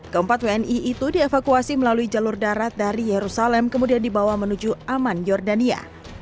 keempat wni itu dievakuasi melalui jalur darat dari yerusalem kemudian dibawa menuju aman jordania